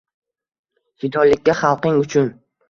Fidolikka xalqing uchun